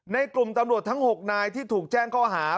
ในกลุ่มตำรวจทั้ง๖นายที่ถูกแจ้งข้อหา